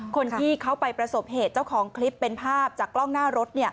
คนที่เขาไปประสบเหตุเจ้าของคลิปเป็นภาพจากกล้องหน้ารถ